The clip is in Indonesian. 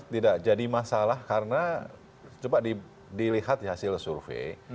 tidak jadi masalah karena coba dilihat hasil survei